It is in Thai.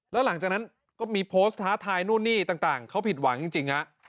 แล้วหลังจากนั้นก็มีโพสต์ท้าทายนู่นนี่ต่างเขาผิดหวังจริงฮะ